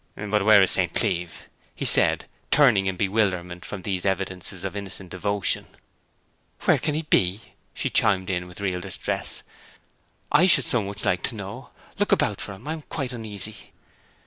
'But where is St. Cleeve?' he said, turning in bewilderment from these evidences of innocent devotion. 'Where can he be?' she chimed in, with real distress. 'I should so much like to know. Look about for him. I am quite uneasy!'